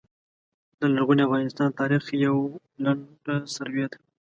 د لرغوني افغانستان د تاریخ یوع لنډه سروې ده